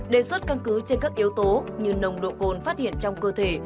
đề xuất căn cứ trên các yếu tố như nồng độ cồn phát hiện trong cơ thể